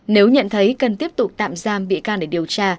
nếu nhận thấy cần tiếp tục tạm giam bị can để điều tra